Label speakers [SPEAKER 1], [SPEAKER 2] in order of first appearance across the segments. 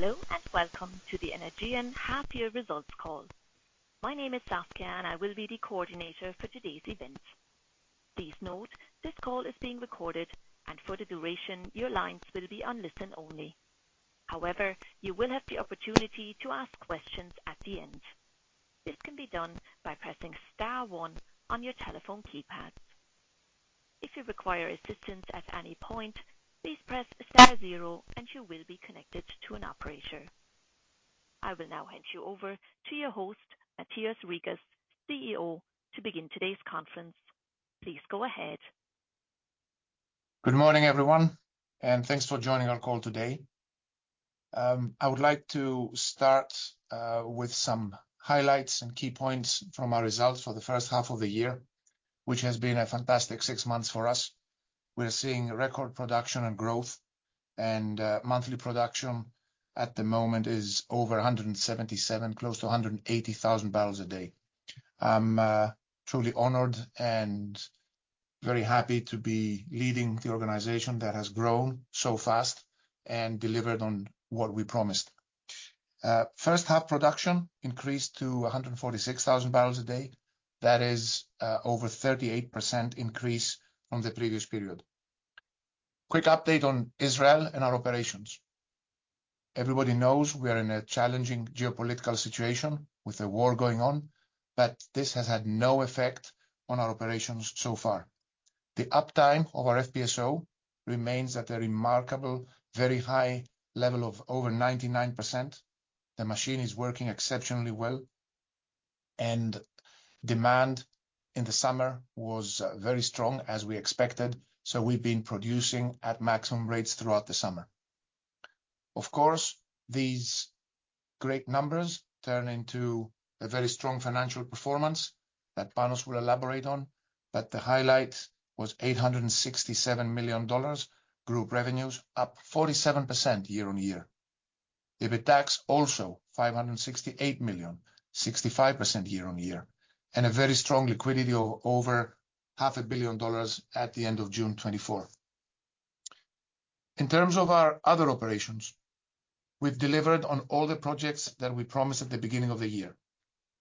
[SPEAKER 1] Hello, and welcome to the Energean half-year results call. My name is Saskia, and I will be the coordinator for today's event. Please note, this call is being recorded, and for the duration, your lines will be on listen only. However, you will have the opportunity to ask questions at the end. This can be done by pressing star one on your telephone keypad. If you require assistance at any point, please press star zero, and you will be connected to an operator. I will now hand you over to your host, Mathios Rigas, CEO, to begin today's conference. Please go ahead.
[SPEAKER 2] Good morning, everyone, and thanks for joining our call today. I would like to start with some highlights and key points from our results for the first half of the year, which has been a fantastic six months for us. We are seeing record production and growth, and monthly production at the moment is over 177, close to 180 thousand barrels a day. I'm truly honored and very happy to be leading the organization that has grown so fast and delivered on what we promised. First half production increased to 146 thousand barrels a day. That is over 38% increase from the previous period. Quick update on Israel and our operations. Everybody knows we are in a challenging geopolitical situation with a war going on, but this has had no effect on our operations so far. The uptime of our FPSO remains at a remarkable, very high level of over 99%. The machine is working exceptionally well, and demand in the summer was very strong, as we expected, so we've been producing at maximum rates throughout the summer. Of course, these great numbers turn into a very strong financial performance that Panos will elaborate on, but the highlight was $867 million group revenues, up 47% year on year. EBITDAX also $568 million, 65% year on year, and a very strong liquidity of over $500 million at the end of June 2024. In terms of our other operations, we've delivered on all the projects that we promised at the beginning of the year.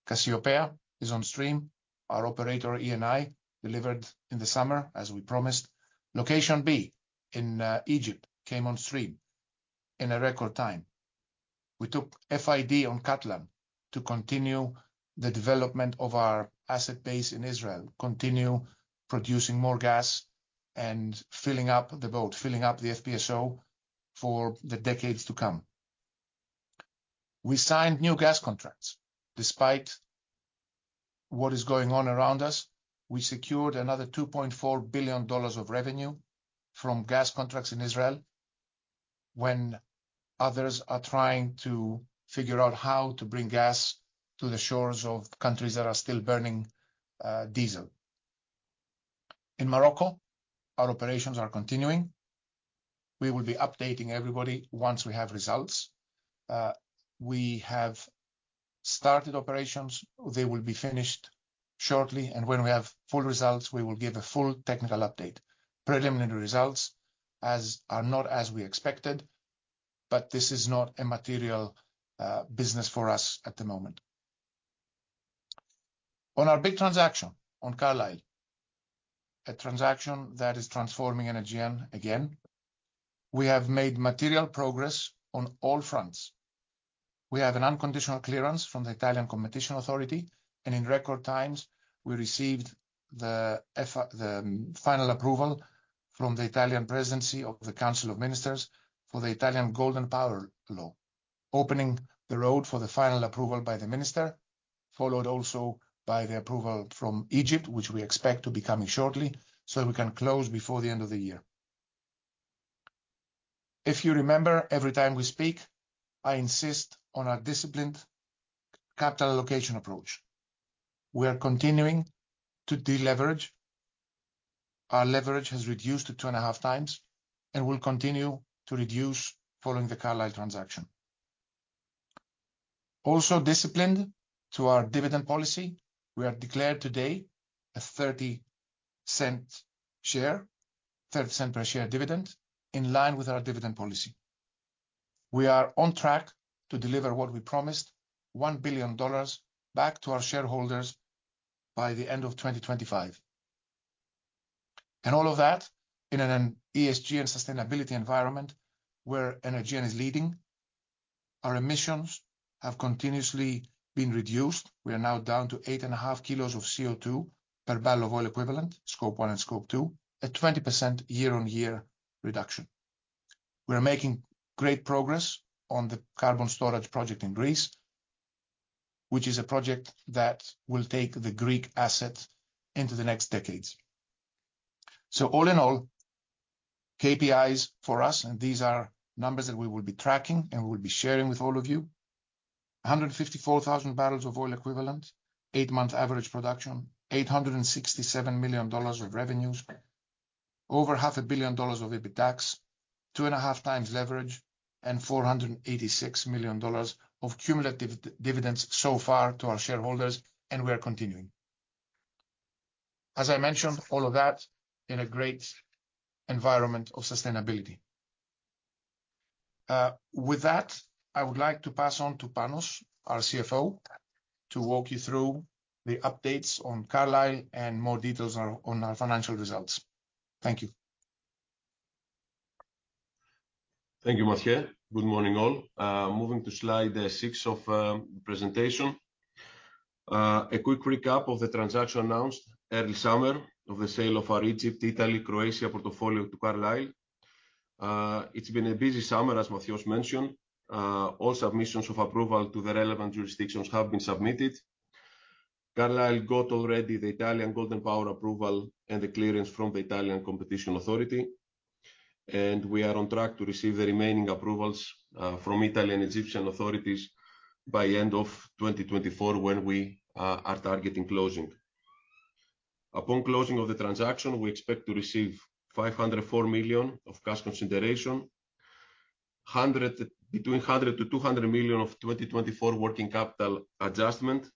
[SPEAKER 2] Cassiopeia is on stream. Our operator, ENI, delivered in the summer, as we promised. Location B in Egypt came on stream in a record time. We took FID on Katlan to continue the development of our asset base in Israel, continue producing more gas and filling up the boat, filling up the FPSO for the decades to come. We signed new gas contracts. Despite what is going on around us, we secured another $2.4 billion of revenue from gas contracts in Israel, when others are trying to figure out how to bring gas to the shores of countries that are still burning diesel. In Morocco, our operations are continuing. We will be updating everybody once we have results. We have started operations. They will be finished shortly, and when we have full results, we will give a full technical update. Preliminary results are not as we expected, but this is not a material business for us at the moment. On our big transaction, on Carlyle, a transaction that is transforming Energean again, we have made material progress on all fronts. We have an unconditional clearance from the Italian Competition Authority, and in record times, we received the final approval from the Italian Presidency of the Council of Ministers for the Italian Golden Power Law, opening the road for the final approval by the Minister, followed also by the approval from Egypt, which we expect to be coming shortly, so we can close before the end of the year. If you remember, every time we speak, I insist on our disciplined capital allocation approach. We are continuing to deleverage. Our leverage has reduced to 2.5 times and will continue to reduce following the Carlyle transaction. Also disciplined to our dividend policy, we have declared today a $0.30 per share dividend in line with our dividend policy. We are on track to deliver what we promised, $1 billion back to our shareholders by the end of 2025. And all of that in an ESG and sustainability environment where Energean is leading. Our emissions have continuously been reduced. We are now down to 8.5 kilos of CO2 per barrel of oil equivalent, Scope 1 and Scope 2, a 20% year on year reduction. We are making great progress on the carbon storage project in Greece, which is a project that will take the Greek asset into the next decades. All in all, KPIs for us, and these are numbers that we will be tracking and we'll be sharing with all of you, 154,000 barrels of oil equivalent, 8-month average production, $867 million of revenues, over $500 million of EBITDAX, 2.5 times leverage, and $486 million of cumulative dividends so far to our shareholders, and we are continuing. As I mentioned, all of that in a great environment of sustainability. With that, I would like to pass on to Panos, our CFO, to walk you through the updates on Carlyle and more details on our financial results. Thank you.
[SPEAKER 3] Thank you, Mathios. Good morning, all. Moving to slide 6 of the presentation. A quick recap of the transaction announced early summer of the sale of our Egypt, Italy, Croatia portfolio to Carlyle. It's been a busy summer, as Mathios mentioned. All submissions for approval to the relevant jurisdictions have been submitted. Carlyle got already the Italian Golden Power approval and the clearance from the Italian competition authority, and we are on track to receive the remaining approvals from Egyptian and Italian authorities by end of 2024, when we are targeting closing. Upon closing of the transaction, we expect to receive $504 million of cash consideration, between $100-$200 million of 2024 working capital adjustment.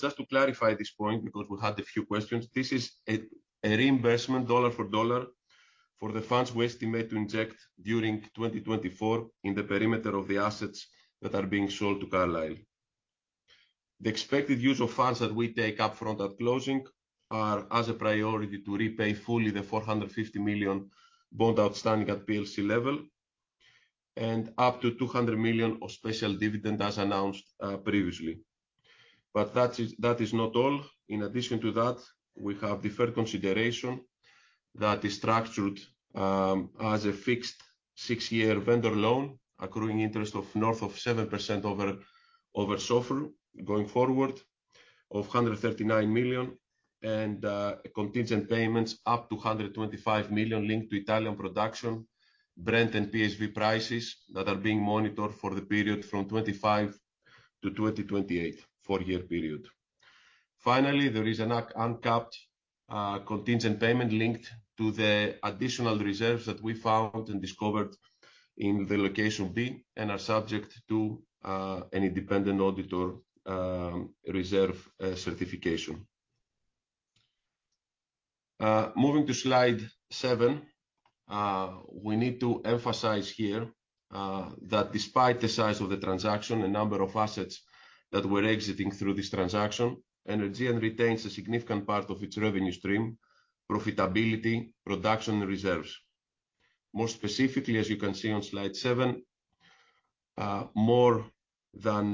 [SPEAKER 3] Just to clarify this point, because we had a few questions, this is a reinvestment, dollar for dollar, for the funds we estimate to inject during 2024 in the perimeter of the assets that are being sold to Carlyle. The expected use of funds that we take up front at closing are, as a priority, to repay fully the $450 million bond outstanding at PLC level, and up to $200 million of special dividend, as announced previously. But that is not all. In addition to that, we have deferred consideration that is structured as a fixed six-year vendor loan, accruing interest of north of 7% over SOFR going forward, of 139 million, and contingent payments up to 125 million linked to Italian production, Brent and PSV prices that are being monitored for the period from 2025 to 2028, four-year period. Finally, there is an uncapped contingent payment linked to the additional reserves that we found and discovered in the location B, and are subject to an independent auditor reserve certification. Moving to slide seven, we need to emphasize here that despite the size of the transaction, the number of assets that we're exiting through this transaction, Energean retains a significant part of its revenue stream, profitability, production, reserves. More specifically, as you can see on slide seven, more than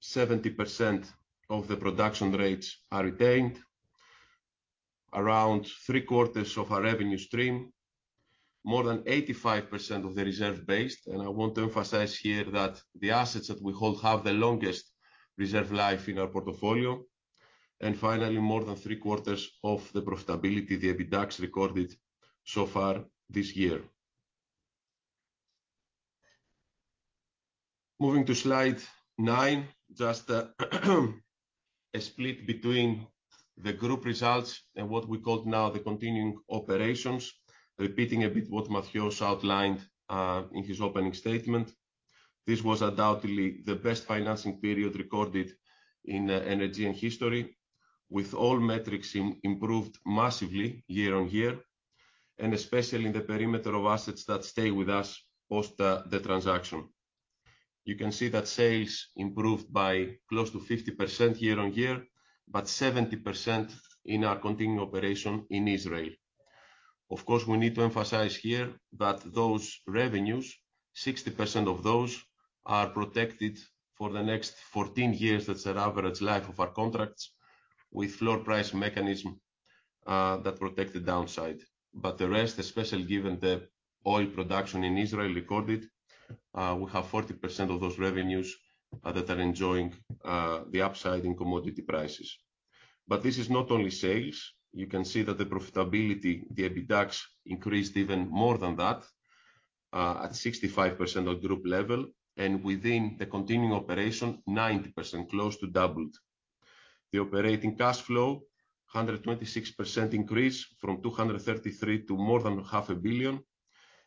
[SPEAKER 3] 70% of the production rates are retained, around three quarters of our revenue stream, more than 85% of the reserve base. And I want to emphasize here that the assets that we hold have the longest reserve life in our portfolio, and finally, more than three quarters of the profitability, the EBITDAX, recorded so far this year. Moving to slide nine, just a split between the group results and what we call now the continuing operations. Repeating a bit what Mathios outlined in his opening statement, this was undoubtedly the best financial period recorded in the Energean history, with all metrics improved massively year on year, and especially in the perimeter of assets that stay with us post the transaction. You can see that sales improved by close to 50% year on year, but 70% in our continuing operation in Israel. Of course, we need to emphasize here that those revenues, 60% of those, are protected for the next 14 years. That's an average life of our contracts with floor price mechanism that protect the downside. But the rest, especially given the oil production in Israel recorded, we have 40% of those revenues that are enjoying the upside in commodity prices. But this is not only sales. You can see that the profitability, the EBITDAX, increased even more than that at 65% of group level, and within the continuing operation, 90%, close to doubled. The operating cash flow [saw a] 126% increase from $233 million to more than $500 million,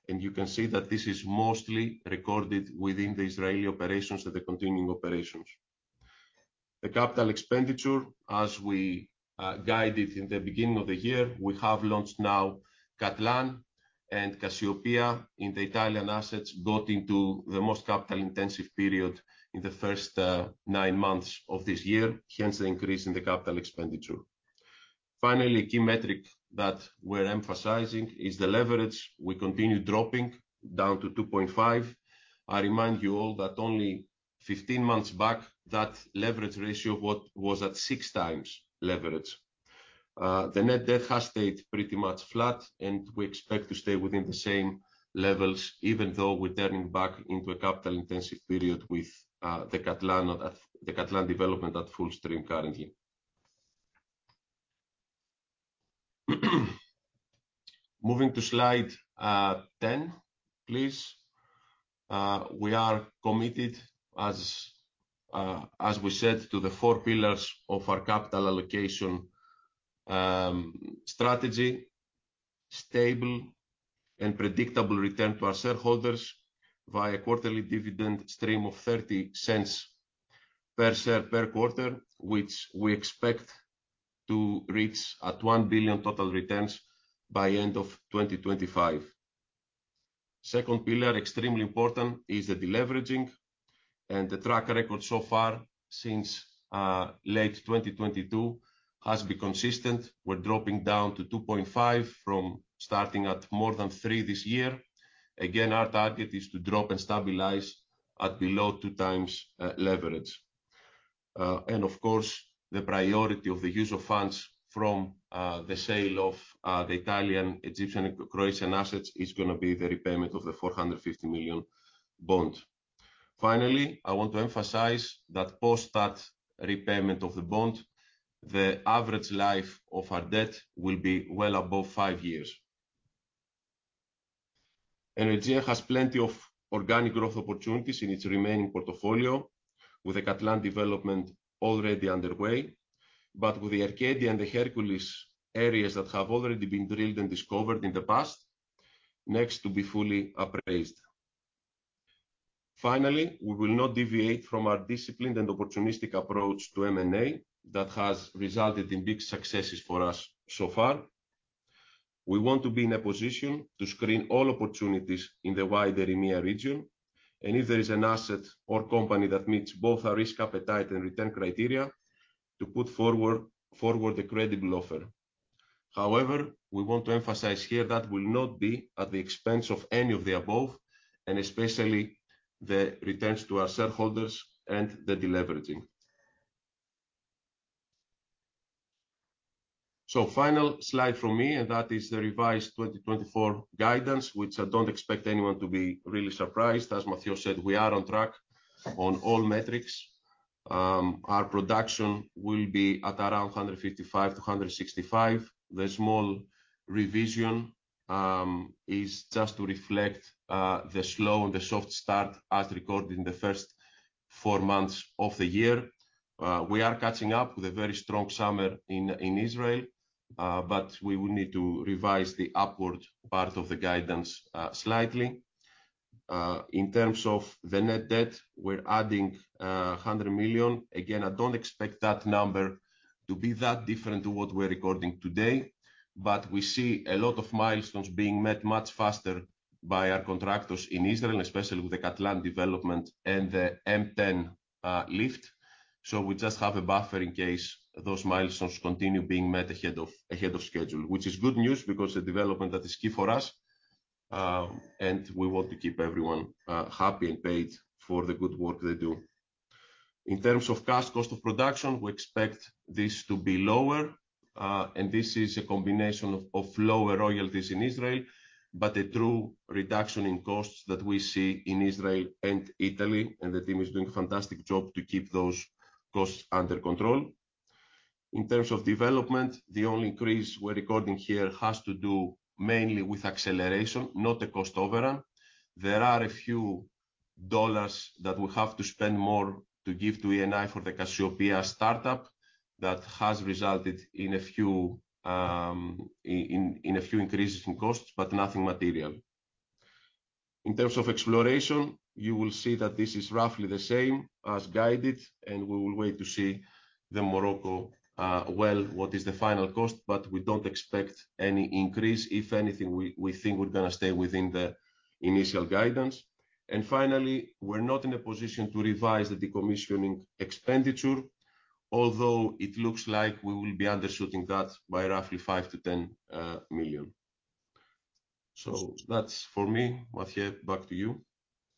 [SPEAKER 3] and you can see that this is mostly recorded within the Israeli operations of the continuing operations. The capital expenditure, as we guided in the beginning of the year, we have launched now Katlan and Cassiopeia, and the Italian assets got into the most capital-intensive period in the first nine months of this year, hence the increase in the capital expenditure. Finally, a key metric that we're emphasizing is the leverage. We continue dropping down to 2.5. I remind you all that only 15 months back, that leverage ratio was at six times leverage. The net debt has stayed pretty much flat, and we expect to stay within the same levels, even though we're turning back into a capital-intensive period with the Katlan development at full stream currently. Moving to slide 10, please. We are committed, as, as we said, to the four pillars of our capital allocation strategy: stable and predictable return to our shareholders via quarterly dividend stream of $0.30 per share per quarter, which we expect to reach at $1 billion total returns by end of 2025. Second pillar, extremely important, is the deleveraging, and the track record so far since late 2022 has been consistent. We're dropping down to 2.5 from starting at more than 3 this year. Again, our target is to drop and stabilize at below 2 times leverage. And of course, the priority of the use of funds from the sale of the Italian, Egyptian, and Croatian assets is gonna be the repayment of the $450 million bond. Finally, I want to emphasize that post that repayment of the bond, the average life of our debt will be well above five years. Energean has plenty of organic growth opportunities in its remaining portfolio, with the Katlan development already underway, but with the Arcadia and the Hercules areas that have already been drilled and discovered in the past, next to be fully appraised. Finally, we will not deviate from our disciplined and opportunistic approach to M&A that has resulted in big successes for us so far. We want to be in a position to screen all opportunities in the wider EMEA region, and if there is an asset or company that meets both our risk appetite and return criteria, to put forward a credible offer. However, we want to emphasize here that will not be at the expense of any of the above, and especially the returns to our shareholders and the deleveraging. Final slide from me, and that is the revised 2024 guidance, which I don't expect anyone to be really surprised. As Mathios said, we are on track on all metrics. Our production will be at around 155-165. The small revision is just to reflect the slow and the soft start as recorded in the first four months of the year. We are catching up with a very strong summer in Israel, but we will need to revise the upward part of the guidance slightly. In terms of the net debt, we're adding $100 million. Again, I don't expect that number to be that different to what we're recording today, but we see a lot of milestones being met much faster by our contractors in Israel, especially with the Katlan development and the M10 lift. So we just have a buffer in case those milestones continue being met ahead of schedule. Which is good news, because the development that is key for us, and we want to keep everyone happy and paid for the good work they do. In terms of cash cost of production, we expect this to be lower, and this is a combination of lower royalties in Israel, but a true reduction in costs that we see in Israel and Italy, and the team is doing a fantastic job to keep those costs under control. In terms of development, the only increase we're recording here has to do mainly with acceleration, not a cost overrun. There are a few dollars that we have to spend more to give to ENI for the Cassiopeia startup. That has resulted in a few increases in costs, but nothing material. In terms of exploration, you will see that this is roughly the same as guided, and we will wait to see the Morocco well, what is the final cost, but we don't expect any increase. If anything, we think we're gonna stay within the initial guidance. And finally, we're not in a position to revise the decommissioning expenditure, although it looks like we will be undershooting that by roughly five to ten million. So that's for me. Mathios, back to you.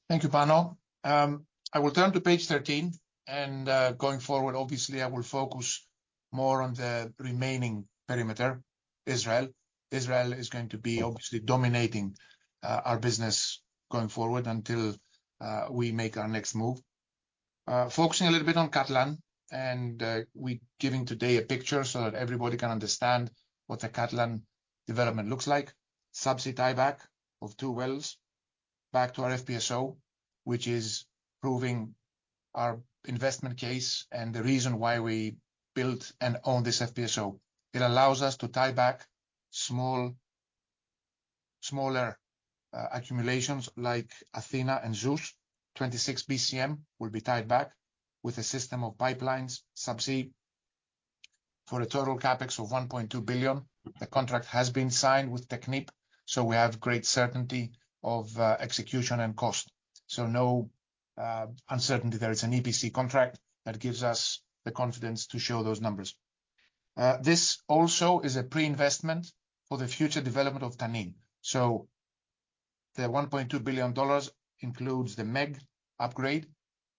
[SPEAKER 2] Thank you, Panos. I will turn to page 13, and going forward, obviously, I will focus more on the remaining perimeter, Israel. Israel is going to be obviously dominating our business going forward until we make our next move. Focusing a little bit on Katlan, and we're giving today a picture so that everybody can understand what the Katlan development looks like. Subsea tieback of two wells back to our FPSO, which is proving our investment case and the reason why we built and own this FPSO. It allows us to tie back small... smaller accumulations like Athena and Zeus. 26 BCM will be tied back with a system of pipelines, subsea, for a total CapEx of $1.2 billion. The contract has been signed with Technip, so we have great certainty of execution and cost. So no uncertainty. There is an EPC contract that gives us the confidence to show those numbers. This also is a pre-investment for the future development of Tanin. So the $1.2 billion includes the MEG upgrade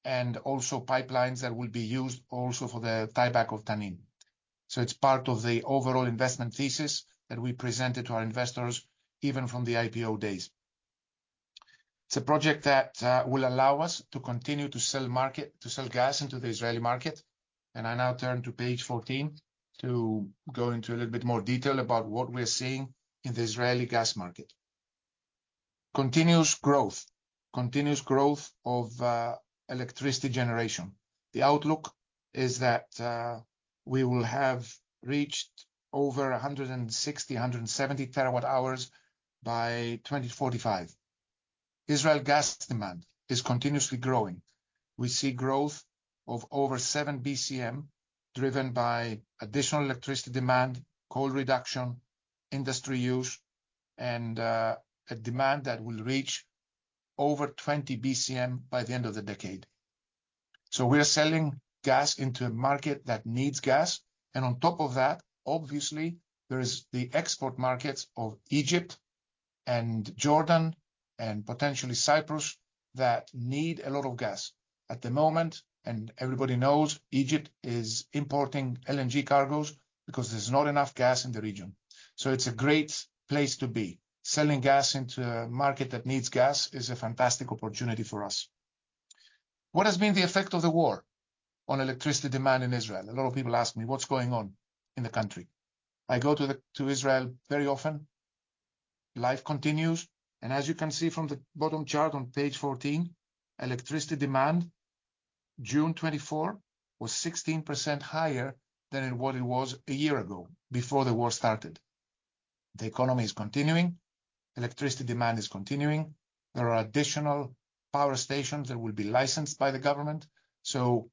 [SPEAKER 2] and also pipelines that will be used also for the tieback of Tanin. So it's part of the overall investment thesis that we presented to our investors, even from the IPO days. It's a project that will allow us to continue to sell market, to sell gas into the Israeli market, and I now turn to page 14 to go into a little bit more detail about what we're seeing in the Israeli gas market. Continuous growth, continuous growth of electricity generation. The outlook is that we will have reached over 160-170 terawatt-hours by 2045. Israel gas demand is continuously growing. We see growth of over seven BCM, driven by additional electricity demand, coal reduction, industry use, and a demand that will reach over twenty BCM by the end of the decade. So we are selling gas into a market that needs gas, and on top of that, obviously, there is the export markets of Egypt and Jordan, and potentially Cyprus, that need a lot of gas. At the moment, and everybody knows, Egypt is importing LNG cargos because there's not enough gas in the region. So it's a great place to be. Selling gas into a market that needs gas is a fantastic opportunity for us. What has been the effect of the war on electricity demand in Israel? A lot of people ask me, "What's going on in the country?" I go to Israel very often. Life continues, and as you can see from the bottom chart on page fourteen, electricity demand, June 2024, was 16% higher than in what it was a year ago, before the war started. The economy is continuing, electricity demand is continuing. There are additional power stations that will be licensed by the government, so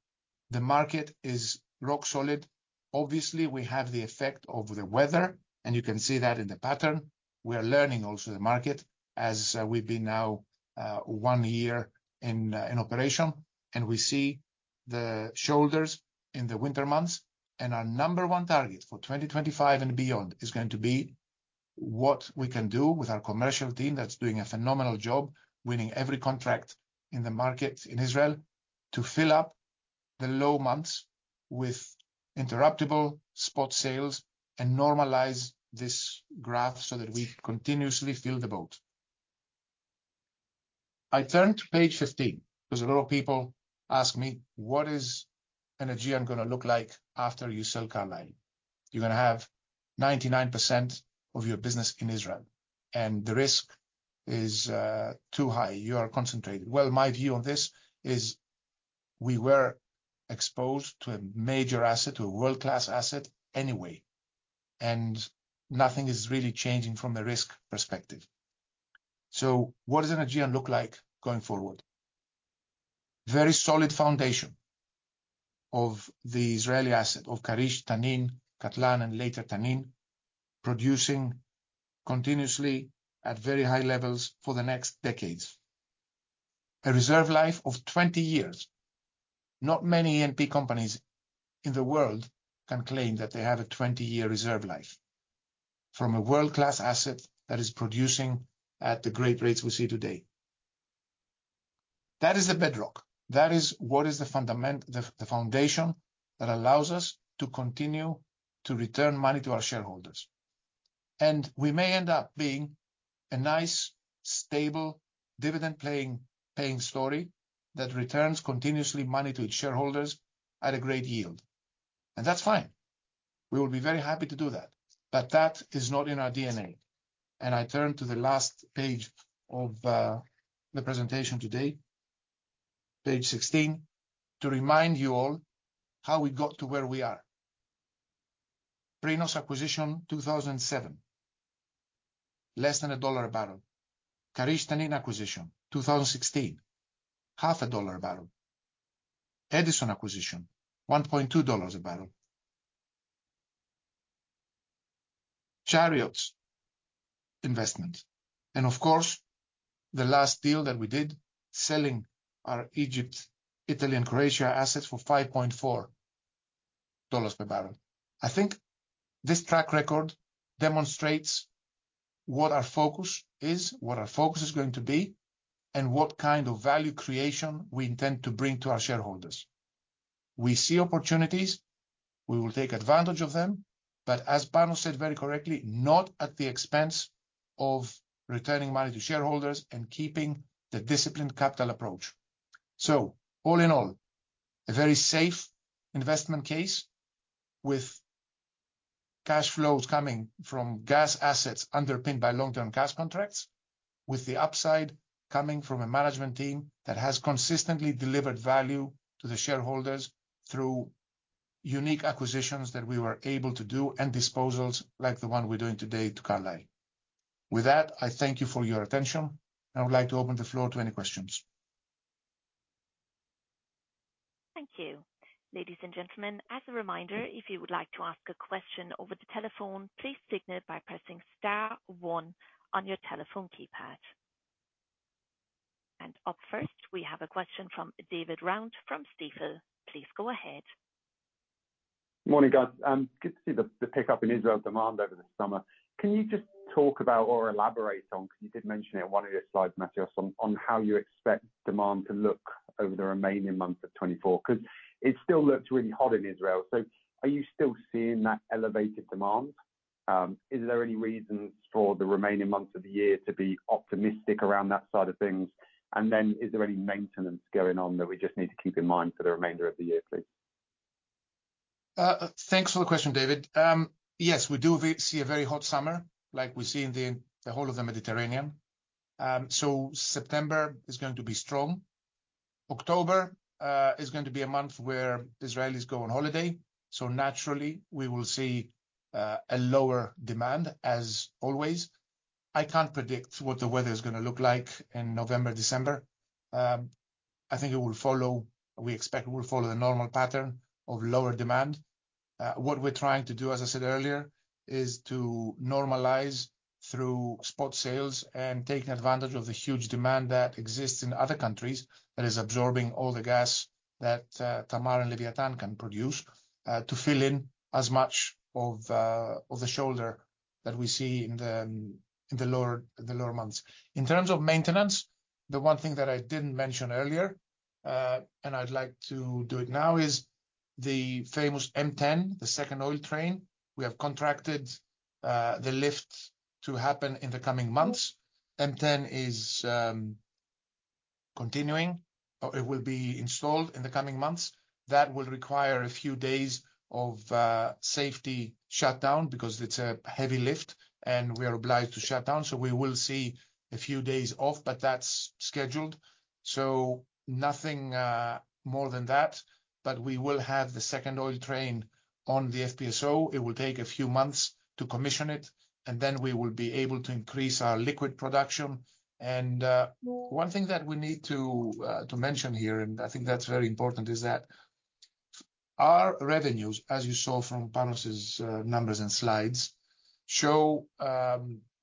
[SPEAKER 2] the market is rock solid. Obviously, we have the effect of the weather, and you can see that in the pattern. We are learning also the market as we've been now in operation, and we see the shoulders in the winter months. And our number one target for twenty twenty-five and beyond is going to be what we can do with our commercial team, that's doing a phenomenal job, winning every contract in the market in Israel, to fill up the low months with interruptible spot sales and normalize this graph so that we continuously fill the boat. I turn to page 15, because a lot of people ask me: "What is Energean gonna look like after you sell Karish? You're gonna have 99% of your business in Israel, and the risk is too high. You are concentrated." Well, my view on this is we were exposed to a major asset, to a world-class asset anyway, and nothing is really changing from a risk perspective. So what does Energean look like going forward? Very solid foundation of the Israeli asset, of Karish, Tanin, Katlan, and later, Tanin, producing continuously at very high levels for the next decades. A reserve life of twenty years. Not many E&P companies in the world can claim that they have a twenty-year reserve life from a world-class asset that is producing at the great rates we see today. That is the bedrock. That is the foundation that allows us to continue to return money to our shareholders, and we may end up being a nice, stable, dividend-paying story that returns continuously money to its shareholders at a great yield, and that's fine. We will be very happy to do that, but that is not in our DNA, and I turn to the last page of the presentation today, page 16, to remind you all how we got to where we are. Prinos acquisition, 2007, less than $1 a barrel. Karish Tanin acquisition, 2016, $0.5 a barrel. Edison acquisition, $1.2 a barrel. Chariot's investment, and of course, the last deal that we did, selling our Egypt, Italy, and Croatia assets for $5.4 per barrel. I think this track record demonstrates what our focus is, what our focus is going to be, and what kind of value creation we intend to bring to our shareholders. We see opportunities, we will take advantage of them, but as Panos said very correctly, not at the expense of returning money to shareholders and keeping the disciplined capital approach. So all in all, a very safe investment case with cash flows coming from gas assets underpinned by long-term gas contracts, with the upside coming from a management team that has consistently delivered value to the shareholders through unique acquisitions that we were able to do, and disposals like the one we're doing today to Carlyle. With that, I thank you for your attention, and I would like to open the floor to any questions.
[SPEAKER 1] Thank you. Ladies and gentlemen, as a reminder, if you would like to ask a question over the telephone, please signal by pressing star one on your telephone keypad, and up first, we have a question from David Round from Stifel. Please go ahead.
[SPEAKER 4] Morning, guys. Good to see the pickup in Israel demand over the summer. Can you just talk about or elaborate on, because you did mention it in one of your slides, Mathios, on how you expect demand to look over the remaining months of 24? Because it still looks really hot in Israel, so are you still seeing that elevated demand? Is there any reasons for the remaining months of the year to be optimistic around that side of things? And then, is there any maintenance going on that we just need to keep in mind for the remainder of the year, please?...
[SPEAKER 2] Thanks for the question, David. Yes, we do see a very hot summer, like we see in the whole of the Mediterranean. So September is going to be strong. October is going to be a month where Israelis go on holiday, so naturally, we will see a lower demand, as always. I can't predict what the weather is gonna look like in November, December. I think it will follow. We expect it will follow the normal pattern of lower demand. What we're trying to do, as I said earlier, is to normalize through spot sales and taking advantage of the huge demand that exists in other countries, that is absorbing all the gas that Tamar and Leviathan can produce, to fill in as much of the shoulder that we see in the lower months. In terms of maintenance, the one thing that I didn't mention earlier, and I'd like to do it now, is the famous M10, the second oil train. We have contracted the lift to happen in the coming months. M10 is continuing, or it will be installed in the coming months. That will require a few days of safety shutdown because it's a heavy lift, and we are obliged to shut down, so we will see a few days off, but that's scheduled. Nothing more than that. We will have the second oil train on the FPSO. It will take a few months to commission it, and then we will be able to increase our liquid production. One thing that we need to mention here, and I think that's very important, is that our revenues, as you saw from Panos's numbers and slides, show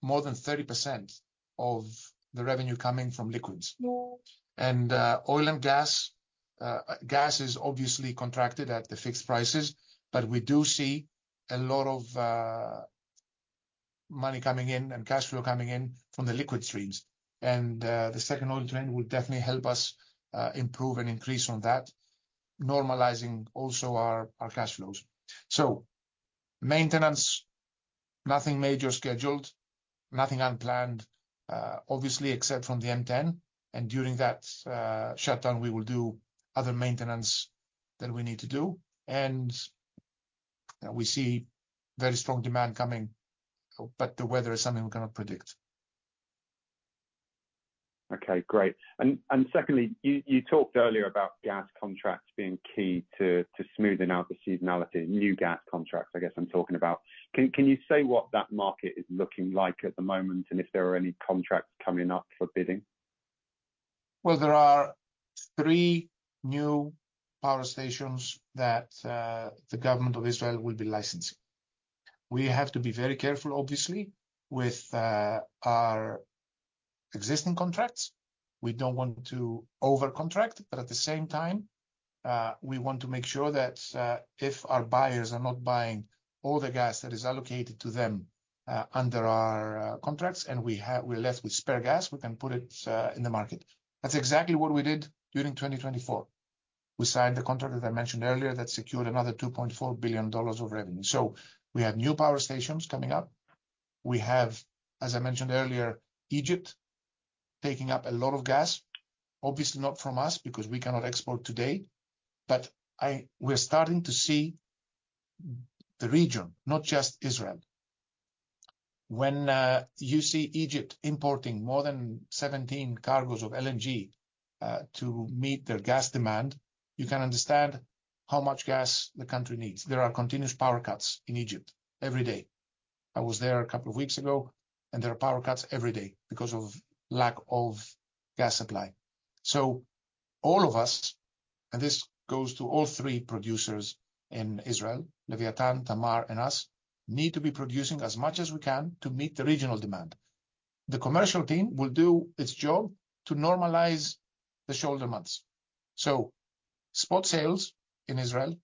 [SPEAKER 2] more than 30% of the revenue coming from liquids. Oil and gas, gas is obviously contracted at the fixed prices, but we do see a lot of money coming in and cash flow coming in from the liquid streams. The second oil train will definitely help us improve and increase on that, normalizing also our cash flows. Maintenance, nothing major scheduled, nothing unplanned, obviously, except from the M10, and during that shutdown, we will do other maintenance that we need to do. We see very strong demand coming, but the weather is something we cannot predict.
[SPEAKER 4] Okay, great. And secondly, you talked earlier about gas contracts being key to smoothing out the seasonality, new gas contracts, I guess I'm talking about. Can you say what that market is looking like at the moment, and if there are any contracts coming up for bidding?
[SPEAKER 2] There are three new power stations that the government of Israel will be licensing. We have to be very careful, obviously, with our existing contracts. We don't want to over-contract, but at the same time, we want to make sure that if our buyers are not buying all the gas that is allocated to them under our contracts, and we're left with spare gas, we can put it in the market. That's exactly what we did during 2024. We signed the contract, as I mentioned earlier, that secured another $2.4 billion of revenue. We have new power stations coming up. We have, as I mentioned earlier, Egypt taking up a lot of gas, obviously not from us, because we cannot export today. We're starting to see the region, not just Israel. When you see Egypt importing more than seventeen cargos of LNG to meet their gas demand, you can understand how much gas the country needs. There are continuous power cuts in Egypt every day. I was there a couple of weeks ago, and there are power cuts every day because of lack of gas supply, so all of us, and this goes to all three producers in Israel, Leviathan, Tamar, and us, need to be producing as much as we can to meet the regional demand. The commercial team will do its job to normalize the shoulder months, so spot sales in Israel,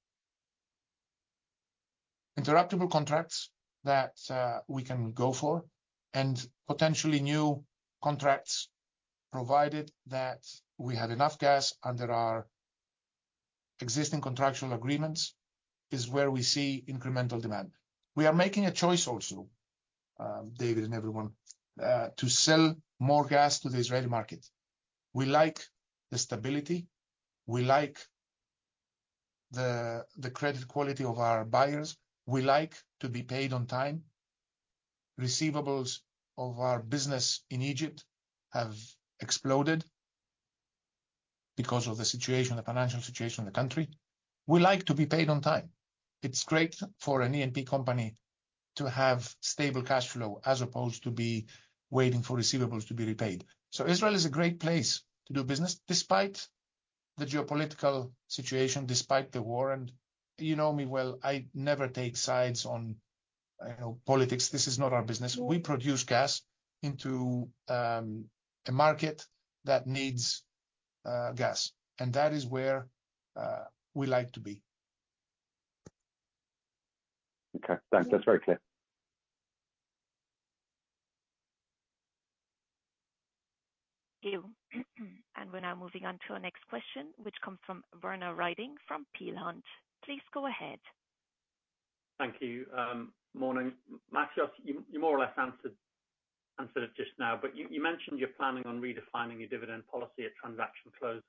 [SPEAKER 2] interruptible contracts that we can go for, and potentially new contracts, provided that we have enough gas under our existing contractual agreements, is where we see incremental demand. We are making a choice also, David and everyone, to sell more gas to the Israeli market. We like the stability. We like the credit quality of our buyers. We like to be paid on time. Receivables of our business in Egypt have exploded because of the situation, the financial situation in the country. We like to be paid on time. It's great for an E&P company to have stable cash flow, as opposed to be waiting for receivables to be repaid. So Israel is a great place to do business, despite the geopolitical situation, despite the war. And you know me well, I never take sides on, politics. This is not our business. We produce gas into, a market that needs, gas. And that is where, we like to be.
[SPEAKER 4] Okay, thanks. That's very clear.
[SPEAKER 1] Thank you. And we're now moving on to our next question, which comes from Werner Riding, from Peel Hunt. Please go ahead.
[SPEAKER 5] ...Thank you. Morning, Mathios, you more or less answered it just now, but you mentioned you're planning on redefining your dividend policy at transaction close.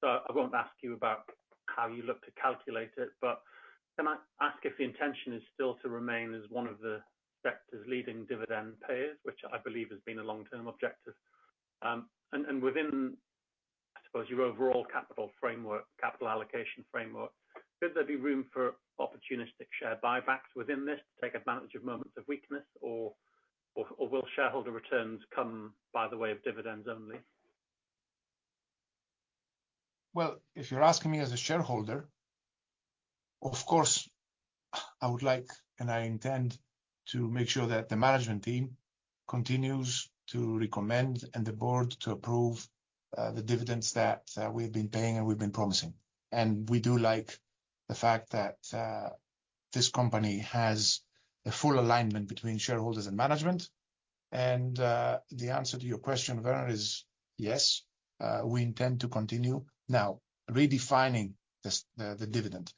[SPEAKER 5] So I won't ask you about how you look to calculate it, but can I ask if the intention is still to remain as one of the sector's leading dividend payers, which I believe has been a long-term objective? And within, I suppose, your overall capital framework, capital allocation framework, could there be room for opportunistic share buybacks within this to take advantage of moments of weakness or will shareholder returns come by the way of dividends only?
[SPEAKER 2] If you're asking me as a shareholder, of course, I would like, and I intend to make sure that the management team continues to recommend and the board to approve, the dividends that, we've been paying and we've been promising. And we do like the fact that, this company has a full alignment between shareholders and management. And, the answer to your question, Werner, is yes, we intend to continue. Now, redefining the the dividend.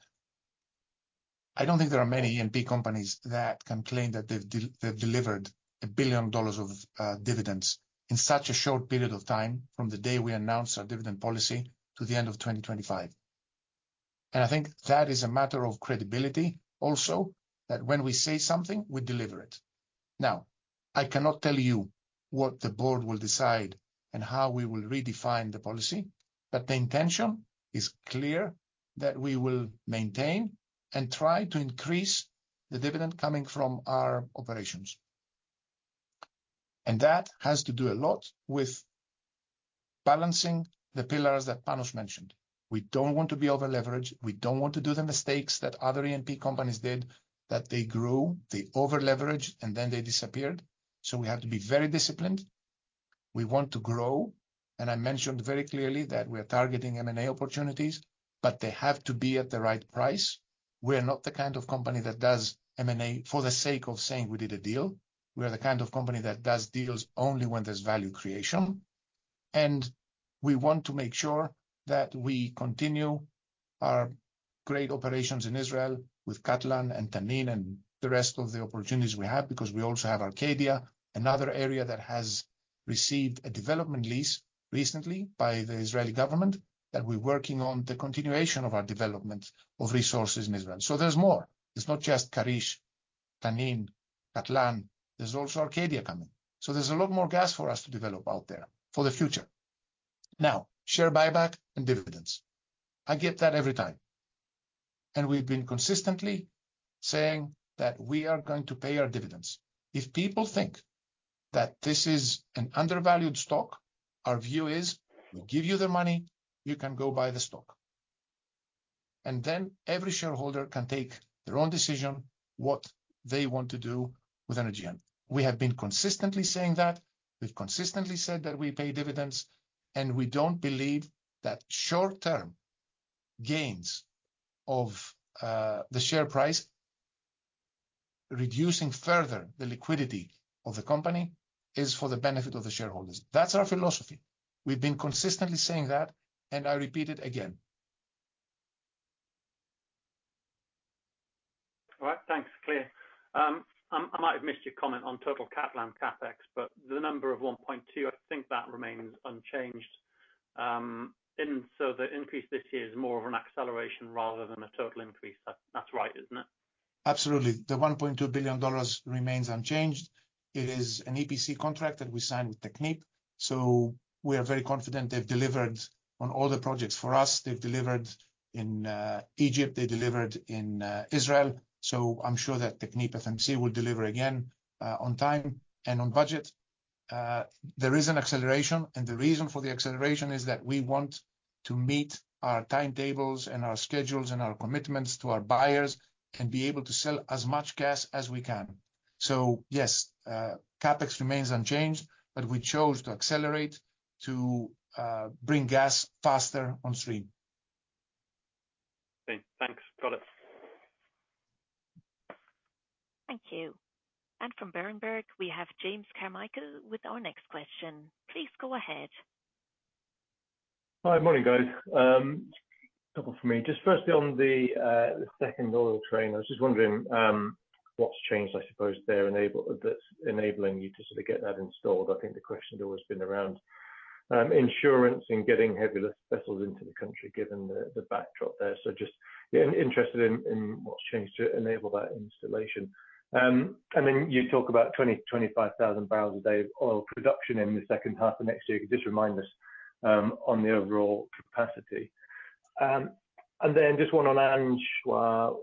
[SPEAKER 2] I don't think there are many E&P companies that can claim that they've they've delivered $1 billion of dividends in such a short period of time, from the day we announced our dividend policy to the end of 2025. And I think that is a matter of credibility, also, that when we say something, we deliver it. Now, I cannot tell you what the board will decide and how we will redefine the policy, but the intention is clear that we will maintain and try to increase the dividend coming from our operations. And that has to do a lot with balancing the pillars that Panos mentioned. We don't want to be over-leveraged. We don't want to do the mistakes that other E&P companies did, that they grew, they over-leveraged, and then they disappeared. So we have to be very disciplined. We want to grow, and I mentioned very clearly that we are targeting M&A opportunities, but they have to be at the right price. We are not the kind of company that does M&A for the sake of saying we did a deal. We are the kind of company that does deals only when there's value creation. And we want to make sure that we continue our great operations in Israel with Katlan and Tanin and the rest of the opportunities we have, because we also have Arcadia, another area that has received a development lease recently by the Israeli government, that we're working on the continuation of our development of resources in Israel. So there's more. It's not just Karish, Tanin, Katlan, there's also Arcadia coming. So there's a lot more gas for us to develop out there for the future. Now, share buyback and dividends. I get that every time. And we've been consistently saying that we are going to pay our dividends. If people think that this is an undervalued stock, our view is, we give you the money, you can go buy the stock. And then every shareholder can take their own decision what they want to do with Energean. We have been consistently saying that. We've consistently said that we pay dividends, and we don't believe that short-term gains of the share price, reducing further the liquidity of the company, is for the benefit of the shareholders. That's our philosophy. We've been consistently saying that, and I repeat it again.
[SPEAKER 5] All right, thanks. Clear. I might have missed your comment on total Katlan CapEx, but the number of 1.2, I think that remains unchanged. And so the increase this year is more of an acceleration rather than a total increase. That, that's right, isn't it?
[SPEAKER 2] Absolutely. The $1.2 billion remains unchanged. It is an EPC contract that we signed with Technip. So we are very confident they've delivered on all the projects for us. They've delivered in, Egypt, they delivered in, Israel, so I'm sure that Technip will deliver again, on time and on budget. There is an acceleration, and the reason for the acceleration is that we want to meet our timetables and our schedules and our commitments to our buyers, and be able to sell as much gas as we can. So yes, CapEx remains unchanged, but we chose to accelerate to, bring gas faster on stream.
[SPEAKER 5] Okay, thanks. Got it.
[SPEAKER 1] Thank you. And from Berenberg, we have James Carmichael with our next question. Please go ahead.
[SPEAKER 6] Hi, morning, guys. A couple from me. Just firstly on the, the second oil train. I was just wondering, what's changed, I suppose, there, that's enabling you to sort of get that installed? I think the question has always been around, insurance and getting heavy lift vessels into the country, given the, the backdrop there. So just yeah, interested in what's changed to enable that installation. And then you talk about 25,000 barrels a day of oil production in the second half of next year. Could you just remind us, on the overall capacity? And then just one on Anchois,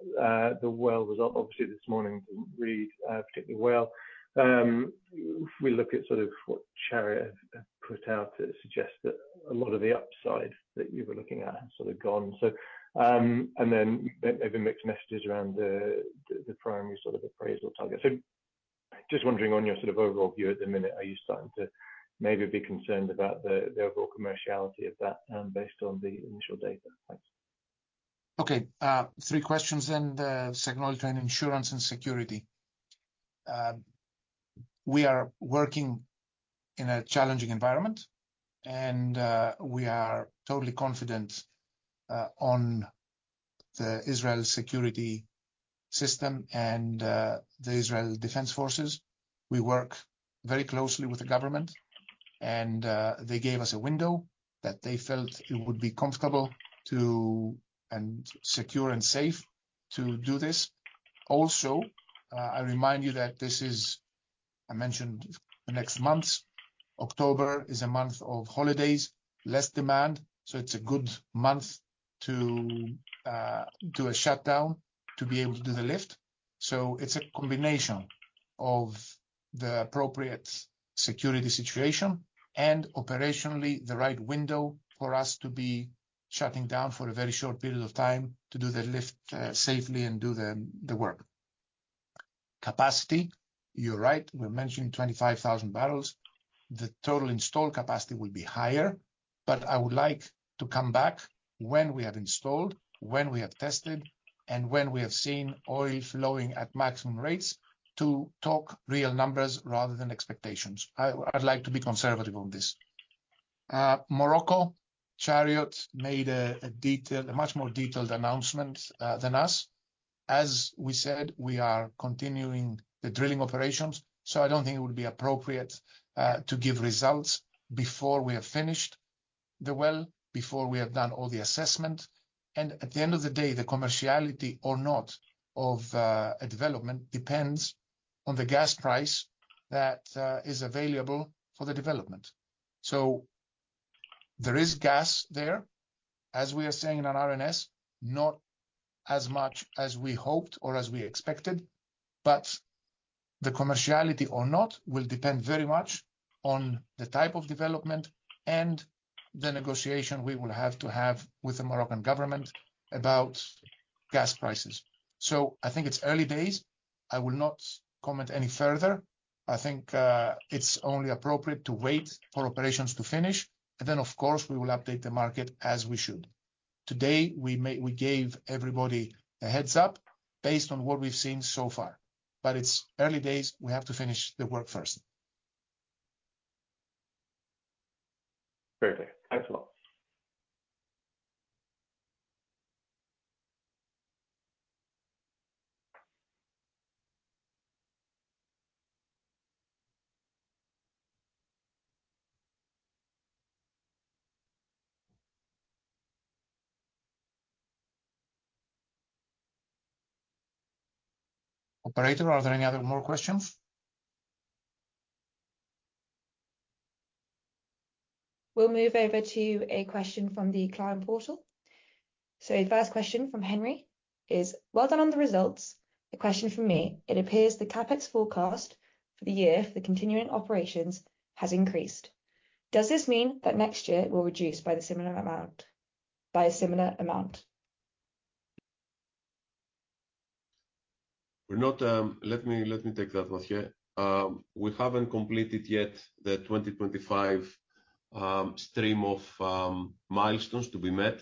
[SPEAKER 6] the well result, obviously this morning, didn't read particularly well. If we look at sort of what Chariot have put out, it suggests that a lot of the upside that you were looking at has sort of gone, so and then there've been mixed messages around the primary sort of appraisal target, so just wondering on your sort of overall view at the minute, are you starting to maybe be concerned about the overall commerciality of that, based on the initial data? Thanks.
[SPEAKER 2] Okay, three questions then. Second quarter and insurance and security. We are working in a challenging environment, and we are totally confident on the Israel security system and the Israel Defense Forces. We work very closely with the government, and they gave us a window that they felt it would be comfortable to, and secure and safe to do this. Also, I remind you that this is, I mentioned, the next month. October is a month of holidays, less demand, so it's a good month to do a shutdown, to be able to do the lift. So it's a combination of the appropriate security situation, and operationally, the right window for us to be shutting down for a very short period of time to do the lift safely and do the work. Capacity, you're right, we're mentioning 25,000 barrels. The total installed capacity will be higher, but I would like to come back when we have installed, when we have tested, and when we have seen oil flowing at maximum rates, to talk real numbers rather than expectations. I'd like to be conservative on this. Morocco, Chariot made a much more detailed announcement than us. As we said, we are continuing the drilling operations, so I don't think it would be appropriate to give results before we have finished the well, before we have done all the assessment. At the end of the day, the commerciality or not of a development depends on the gas price that is available for the development. So there is gas there, as we are saying in our RNS, not as much as we hoped or as we expected, but the commerciality or not will depend very much on the type of development and the negotiation we will have to have with the Moroccan government about gas prices. So I think it's early days. I will not comment any further. I think, it's only appropriate to wait for operations to finish, and then, of course, we will update the market as we should. Today, we gave everybody a heads-up, based on what we've seen so far. But it's early days, we have to finish the work first.
[SPEAKER 6] Perfect. Thanks a lot.
[SPEAKER 2] Operator, are there any more questions?
[SPEAKER 1] We'll move over to a question from the client portal. So first question from Henry is, "Well done on the results. The question from me: it appears the CapEx forecast for the year for the continuing operations has increased. Does this mean that next year it will reduce by a similar amount?
[SPEAKER 3] We're not... Let me, let me take that one, yeah. We haven't completed yet the 2025 stream of milestones to be met,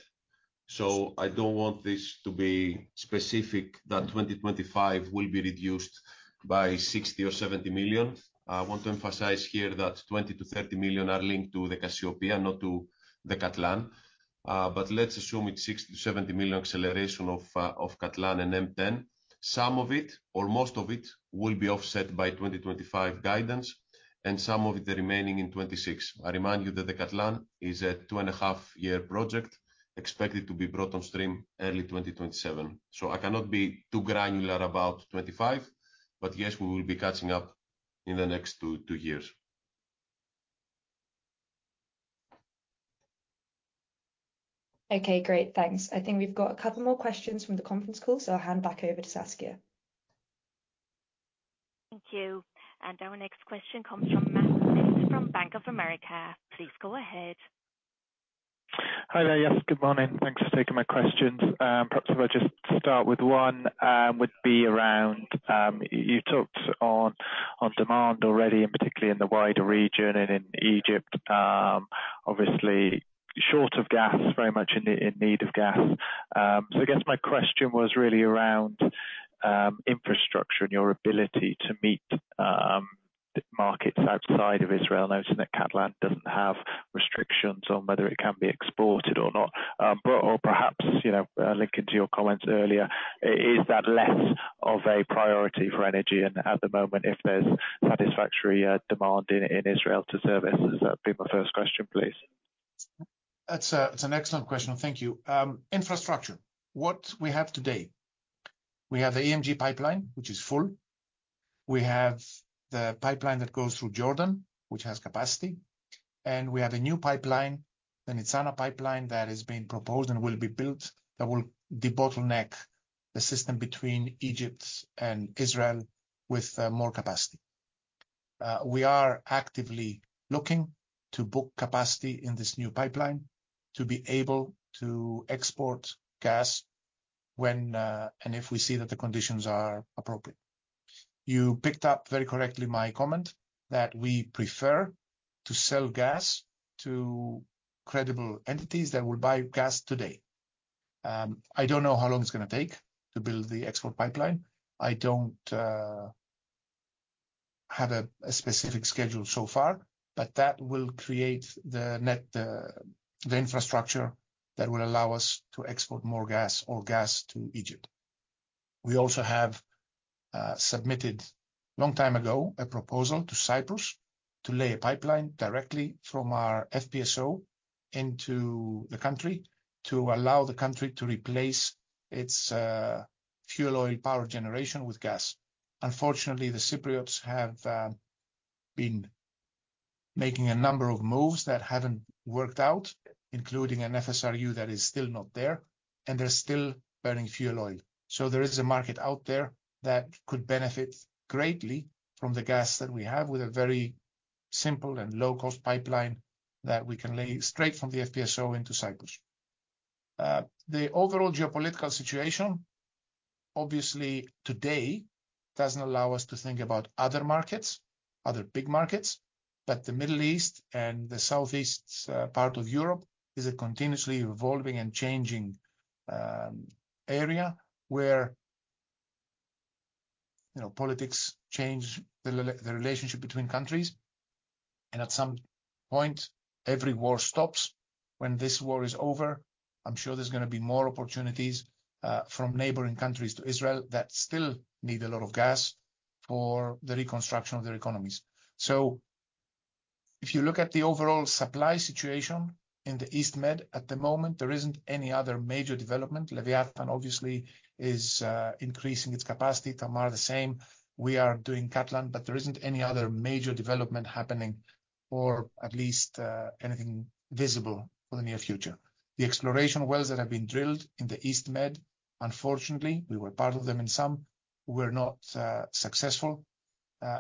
[SPEAKER 3] so I don't want this to be specific, that 2025 will be reduced by 60-70 million. I want to emphasize here that 20-30 million are linked to the Cassiopeia, not to the Katlan. But let's assume it's 60-70 million acceleration of Catlan and M10. Some of it, or most of it, will be offset by 2025 guidance, and some of the remaining in 2026. I remind you that the Katlan is a two-and-a-half-year project, expected to be brought on stream early 2027. So I cannot be too granular about 2025, but yes, we will be catching up in the next two years.
[SPEAKER 1] Okay, great. Thanks. I think we've got a couple more questions from the conference call, so I'll hand back over to Saskia. Thank you. And our next question comes from Matthew from Bank of America. Please go ahead. Hi there, yes, good morning. Thanks for taking my questions. Perhaps if I just start with one, would be around, you talked on demand already, and particularly in the wider region and in Egypt. Obviously, short of gas, very much in need of gas. So I guess my question was really around, infrastructure and your ability to meet, markets outside of Israel, noting that Katlan doesn't have restrictions on whether it can be exported or not. But or perhaps, you know, linking to your comments earlier, is that less of a priority for Energean at the moment, if there's satisfactory, demand in Israel to service? That would be my first question, please.
[SPEAKER 2] That's a, that's an excellent question. Thank you. Infrastructure, what we have today, we have the EMG pipeline, which is full. We have the pipeline that goes through Jordan, which has capacity, and we have a new pipeline, the Nitzana pipeline, that is being proposed and will be built, that will debottleneck the system between Egypt and Israel with more capacity. We are actively looking to book capacity in this new pipeline to be able to export gas when and if we see that the conditions are appropriate. You picked up, very correctly, my comment, that we prefer to sell gas to credible entities that will buy gas today. I don't know how long it's gonna take to build the export pipeline. I don't have a specific schedule so far, but that will create the net infrastructure that will allow us to export more gas or gas to Egypt. We also have submitted long time ago a proposal to Cyprus to lay a pipeline directly from our FPSO into the country to allow the country to replace its fuel oil power generation with gas. Unfortunately, the Cypriots have been making a number of moves that haven't worked out, including an FSRU that is still not there, and they're still burning fuel oil. So there is a market out there that could benefit greatly from the gas that we have, with a very simple and low-cost pipeline that we can lay straight from the FPSO into Cyprus. The overall geopolitical situation, obviously, today, doesn't allow us to think about other markets, other big markets, but the Middle East and the southeast part of Europe is a continuously evolving and changing area where, you know, politics change the relationship between countries, and at some point, every war stops. When this war is over, I'm sure there's gonna be more opportunities from neighboring countries to Israel that still need a lot of gas for the reconstruction of their economies, so if you look at the overall supply situation in the East Med at the moment, there isn't any other major development. Leviathan, obviously, is increasing its capacity, Tamar, the same. We are doing Katlan, but there isn't any other major development happening, or at least, anything visible for the near future. The exploration wells that have been drilled in the East Med, unfortunately, we were part of them, and some were not successful.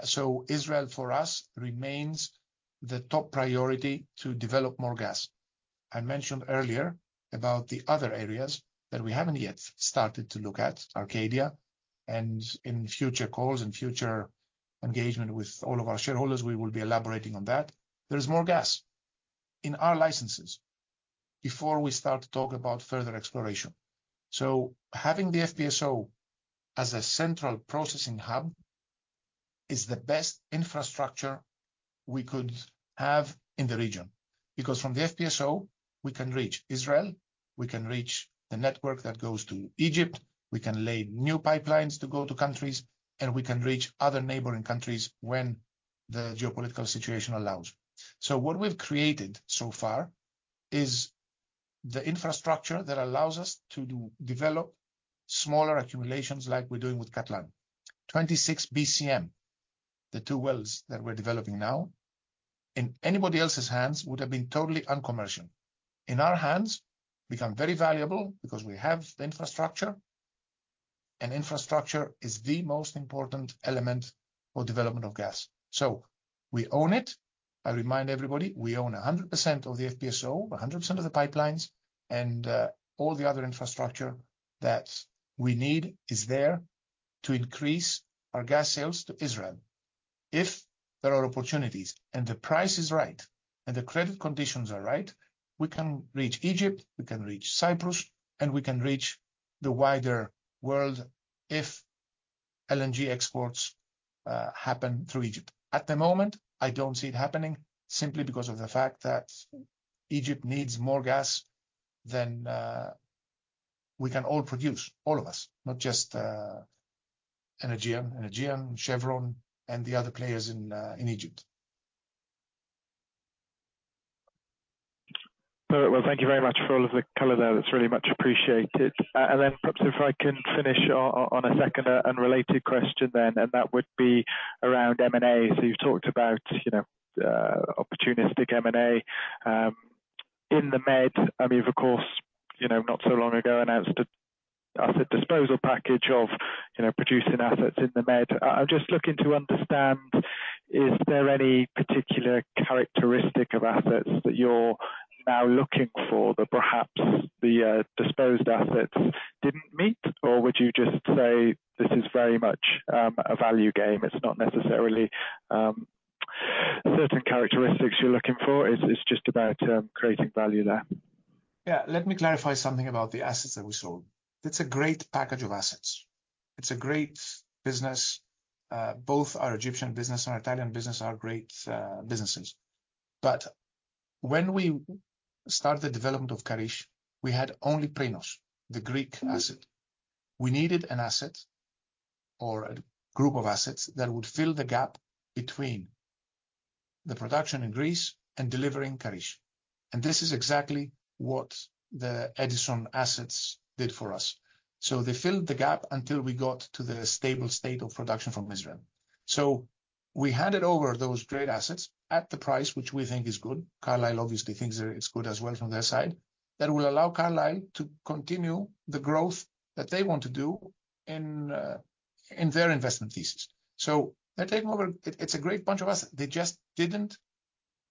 [SPEAKER 2] So Israel, for us, remains the top priority to develop more gas. I mentioned earlier about the other areas that we haven't yet started to look at, Arcadia, and in future calls and future engagement with all of our shareholders, we will be elaborating on that. There is more gas in our licenses before we start to talk about further exploration. So having the FPSO as a central processing hub is the best infrastructure we could have in the region, because from the FPSO, we can reach Israel, we can reach the network that goes to Egypt, we can lay new pipelines to go to countries, and we can reach other neighboring countries when the geopolitical situation allows. So what we've created so far is the infrastructure that allows us to develop smaller accumulations like we're doing with Katlan. Twenty-six BCM, the two wells that we're developing now, in anybody else's hands, would have been totally uncommercial. In our hands, become very valuable because we have the infrastructure, and infrastructure is the most important element for development of gas. So we own it. I remind everybody, we own 100% of the FPSO, 100% of the pipelines, and all the other infrastructure that we need is there to increase our gas sales to Israel. If there are opportunities, and the price is right, and the credit conditions are right, we can reach Egypt, we can reach Cyprus, and we can reach the wider world if LNG exports happen through Egypt. At the moment, I don't see it happening simply because of the fact that Egypt needs more gas than we can all produce, all of us, not just Energean, Chevron, and the other players in Egypt. Very well. Thank you very much for all of the color there. That's really much appreciated. And then perhaps if I can finish on a second, unrelated question then, and that would be around M&A. So you've talked about, you know, opportunistic M&A in the Med. I mean, of course, you know, not so long ago announced as a disposal package of, you know, producing assets in the Med. I'm just looking to understand, is there any particular characteristic of assets that you're now looking for that perhaps the disposed assets didn't meet? Or would you just say this is very much a value game? It's not necessarily certain characteristics you're looking for, it's just about creating value there. Yeah, let me clarify something about the assets that we sold. It's a great package of assets. It's a great business. Both our Egyptian business and our Italian business are great businesses. But when we started the development of Karish, we had only Prinos, the Greek asset. We needed an asset or a group of assets that would fill the gap between the production in Greece and delivering Karish. And this is exactly what the Edison assets did for us. So they filled the gap until we got to the stable state of production from Israel. So we handed over those great assets at the price, which we think is good. Carlyle obviously thinks that it's good as well from their side. That will allow Carlyle to continue the growth that they want to do in, in their investment thesis. So they're taking over... It's a great bunch of us. They just didn't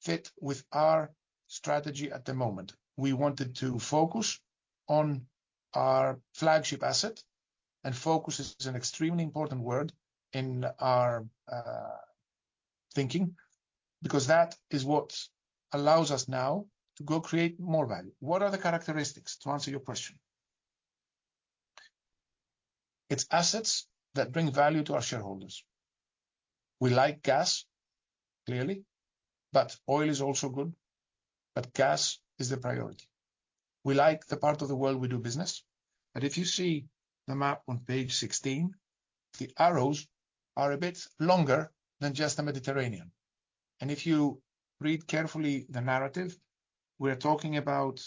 [SPEAKER 2] fit with our strategy at the moment. We wanted to focus on our flagship asset, and focus is an extremely important word in our thinking, because that is what allows us now to go create more value. What are the characteristics, to answer your question? It's assets that bring value to our shareholders. We like gas, clearly, but oil is also good, but gas is the priority. We like the part of the world we do business, but if you see the map on page 16, the arrows are a bit longer than just the Mediterranean. And if you read carefully the narrative, we are talking about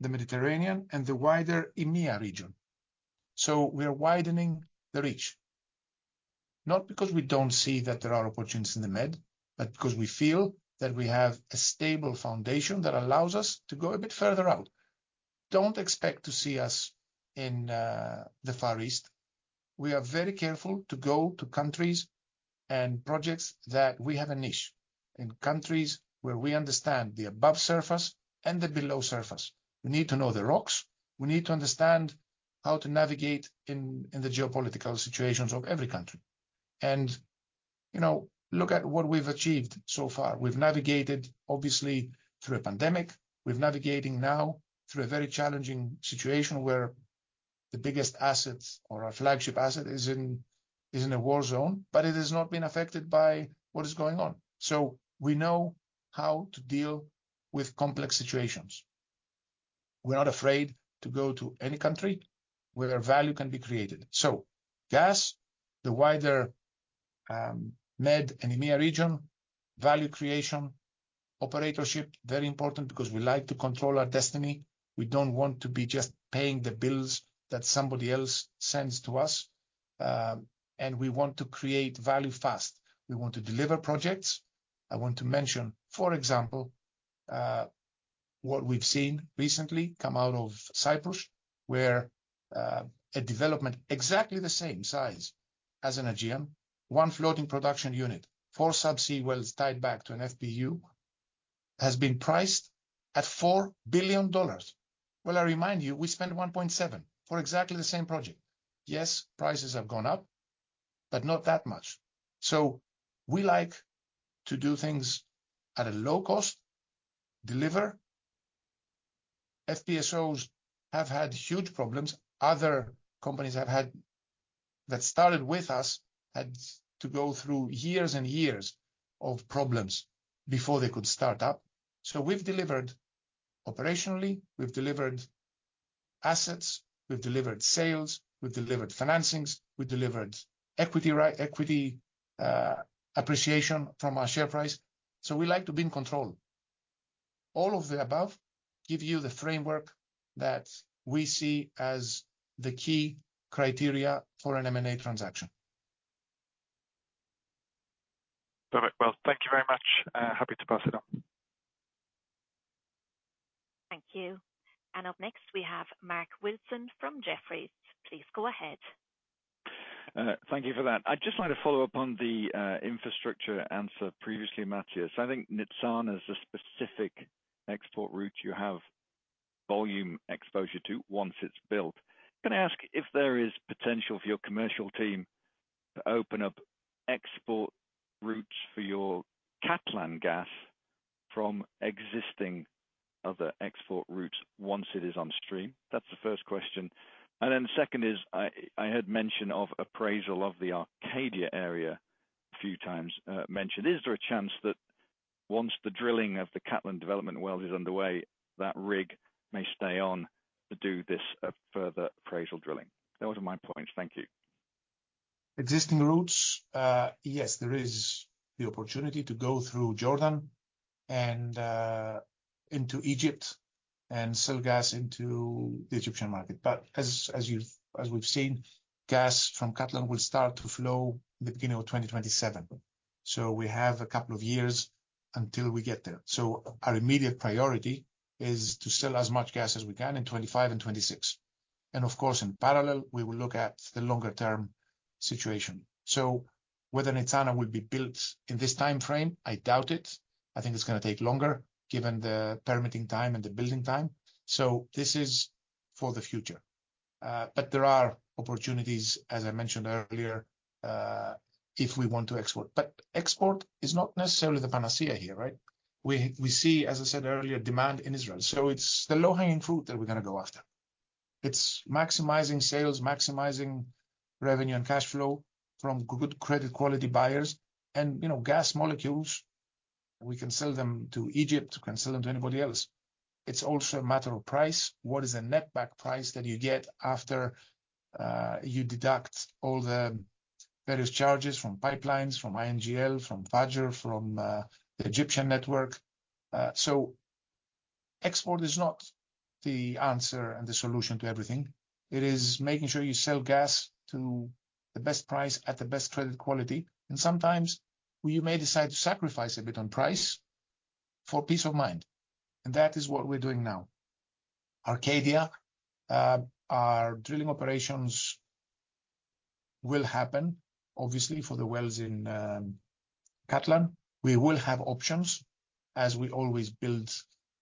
[SPEAKER 2] the Mediterranean and the wider EMEA region. We are widening the reach, not because we don't see that there are opportunities in the Med, but because we feel that we have a stable foundation that allows us to go a bit further out. Don't expect to see us in the Far East. We are very careful to go to countries and projects that we have a niche, in countries where we understand the above surface and the below surface. We need to know the rocks. We need to understand how to navigate in the geopolitical situations of every country. And, you know, look at what we've achieved so far. We've navigated, obviously, through a pandemic. We've navigating now through a very challenging situation where the biggest assets or our flagship asset is in a war zone, but it has not been affected by what is going on. So we know how to deal with complex situations. We're not afraid to go to any country where value can be created. So gas, the wider Med and EMEA region, value creation, operatorship, very important because we like to control our destiny. We don't want to be just paying the bills that somebody else sends to us, and we want to create value fast. We want to deliver projects. I want to mention, for example, what we've seen recently come out of Cyprus, where a development exactly the same size as the Karish, one floating production unit, four subsea wells tied back to an FPU, has been priced at $4 billion. Well, I remind you, we spent $1.7 billion for exactly the same project. Yes, prices have gone up, but not that much. So we like to do things at a low cost, deliver. FPSOs have had huge problems. Other companies have had... That started with us, had to go through years and years of problems before they could start up. So we've delivered operationally, we've delivered assets, we've delivered sales, we've delivered financings, we delivered equity, right, equity, appreciation from our share price. So we like to be in control. All of the above give you the framework that we see as the key criteria for an M&A transaction. Perfect. Thank you very much. Happy to pass it on.
[SPEAKER 1] Thank you. And up next, we have Mark Wilson from Jefferies. Please go ahead.
[SPEAKER 7] Thank you for that. I'd just like to follow up on the infrastructure answer previously, Mathios. I think Nitzana is a specific export route you have volume exposure to once it's built. Can I ask if there is potential for your commercial team to open up export routes for your Katlan gas from existing other export routes once it is on stream? That's the first question. And then the second is, I heard mention of appraisal of the Arcadia area a few times, mentioned. Is there a chance that once the drilling of the Katlan development would is underway, that rig may stay on to do this further appraisal drilling? Those are my points. Thank you.
[SPEAKER 2] Existing routes, yes, there is the opportunity to go through Jordan and into Egypt and sell gas into the Egyptian market, but as we've seen, gas from Katlan will start to flow at the beginning of 2027, so we have a couple of years until we get there, so our immediate priority is to sell as much gas as we can in 2025 and 2026, and of course, in parallel, we will look at the longer term situation, so whether Nitzana will be built in this time frame, I doubt it. I think it's gonna take longer, given the permitting time and the building time, so this is for the future, but there are opportunities, as I mentioned earlier, if we want to export. But export is not necessarily the panacea here, right? We see, as I said earlier, demand in Israel, so it's the low-hanging fruit that we're gonna go after. It's maximizing sales, maximizing revenue and cash flow from good credit quality buyers. And, you know, gas molecules, we can sell them to Egypt, we can sell them to anybody else. It's also a matter of price. What is the net back price that you get after you deduct all the various charges from pipelines, from INGL, from FAJR, from the Egyptian network? So export is not the answer and the solution to everything. It is making sure you sell gas to the best price at the best credit quality, and sometimes you may decide to sacrifice a bit on price for peace of mind. And that is what we're doing now. Arcadia, our drilling operations will happen obviously for the wells in Katlan. We will have options as we always build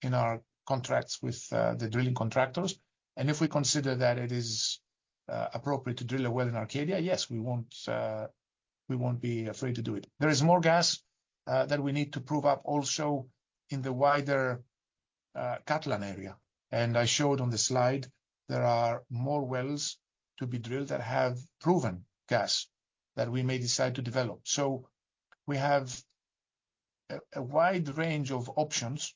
[SPEAKER 2] in our contracts with the drilling contractors. And if we consider that it is appropriate to drill a well in Arcadia, yes, we won't be afraid to do it. There is more gas that we need to prove up also in the wider Katlan area. And I showed on the slide, there are more wells to be drilled that have proven gas that we may decide to develop. So we have a wide range of options,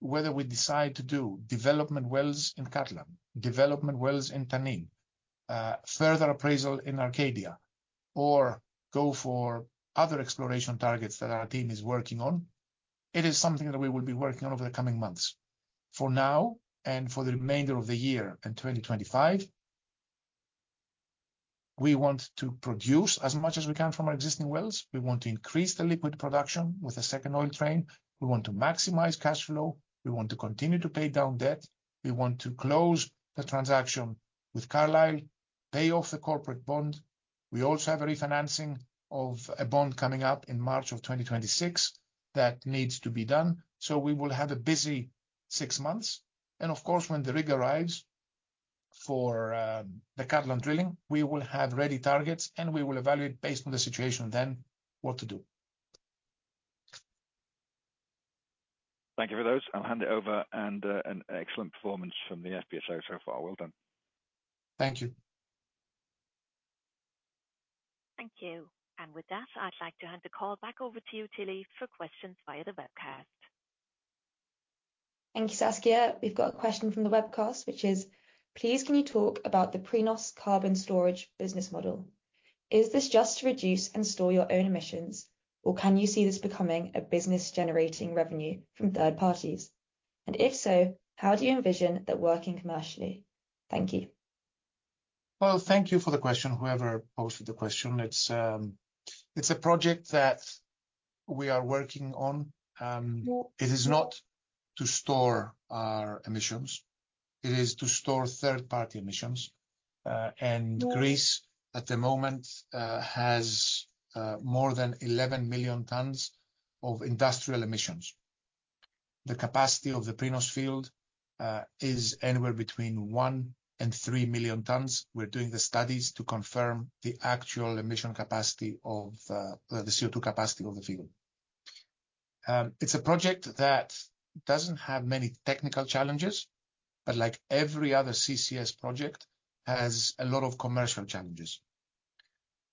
[SPEAKER 2] whether we decide to do development wells in Katlan, development wells in Tanin, further appraisal in Arcadia, or go for other exploration targets that our team is working on. It is something that we will be working on over the coming months. For now, and for the remainder of the year in 2025, we want to produce as much as we can from our existing wells. We want to increase the liquid production with a second oil train. We want to maximize cash flow. We want to continue to pay down debt. We want to close the transaction with Carlyle, pay off the corporate bond. We also have a refinancing of a bond coming up in March of 2026 that needs to be done, so we will have a busy six months, and of course, when the rig arrives for the Katlan drilling, we will have ready targets, and we will evaluate based on the situation then what to do.
[SPEAKER 7] Thank you for those. I'll hand it over, and an excellent performance from the FPSO so far. Well done.
[SPEAKER 2] Thank you.
[SPEAKER 1] Thank you. And with that, I'd like to hand the call back over to you, Tilly, for questions via the webcast. Thank you, Saskia. We've got a question from the webcast, which is: Please, can you talk about the Prinos carbon storage business model? Is this just to reduce and store your own emissions, or can you see this becoming a business-generating revenue from third parties? And if so, how do you envision that working commercially? Thank you.
[SPEAKER 2] Thank you for the question, whoever posted the question. It's a project that we are working on. It is not to store our emissions, it is to store third-party emissions. Greece, at the moment, has more than eleven million tons of industrial emissions. The capacity of the Prinos field is anywhere between one and three million tons. We're doing the studies to confirm the actual emission capacity of the CO2 capacity of the field. It's a project that doesn't have many technical challenges, but like every other CCS project, has a lot of commercial challenges.